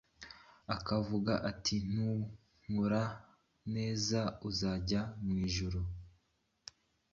akavuga ati ninkora neza nzajya mu Ijuru,